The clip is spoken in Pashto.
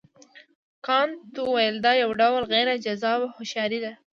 کانت وویل دا یو ډول غیر جذابه هوښیاري ده.